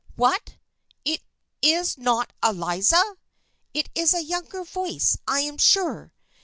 " What ! It is not Eliza? It is a younger voice, I am sure.